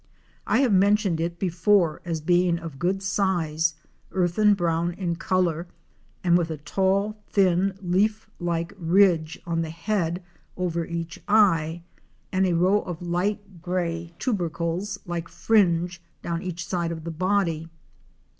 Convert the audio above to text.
JI have mentioned it before as being of good size, earthern brown in color, with a tall, thin leaf like ridge on the head over each eye and a row of light grey tubercles like fringe down each side of the body.